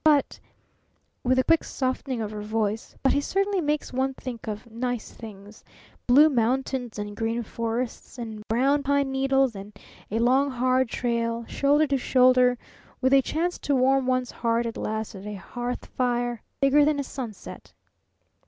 But " with a quick softening of her voice "but he certainly makes one think of nice things Blue Mountains, and Green Forests, and Brown Pine Needles, and a Long, Hard Trail, shoulder to shoulder with a chance to warm one's heart at last at a hearth fire bigger than a sunset!"